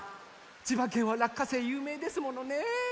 ちばけんはらっかせいゆうめいですものね。